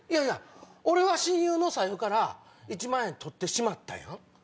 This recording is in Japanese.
俺は親友の財布から一万円取ってしまったやん？